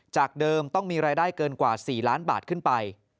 จากเดิมต้องมีรายได้เกินกว่า๔ล้านบาทขึ้นไป